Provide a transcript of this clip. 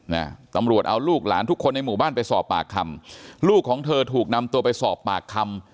นะตำรวจเอาลูกหลานทุกคนในหมู่บ้านไปสอบปากคำลูกของเธอถูกนำตัวไปสอบปากคำ